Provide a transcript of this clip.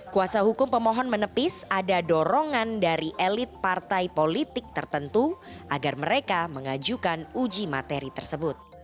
kuasa hukum pemohon menepis ada dorongan dari elit partai politik tertentu agar mereka mengajukan uji materi tersebut